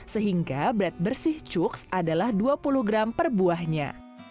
sehingga berat bersih cuks adalah dua puluh gram per buahnya